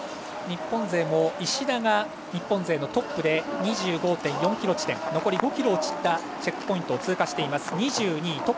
日本勢も石田が日本勢のトップで２５．４ｋｍ地点残り５ｋｍを切ったチェックポイントを通過して２２位。